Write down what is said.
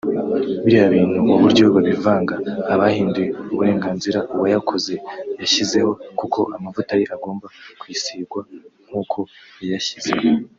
biriya bintu uburyo babivanga abahinduye uburenganzira uwayakoze yashyizeho kuko amavuta ye agomba kwisigwa nkuko yayashyizeho